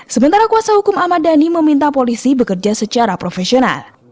sementara kuasa hukum ahmad dhani meminta polisi bekerja secara profesional